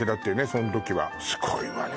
その時はすごいわね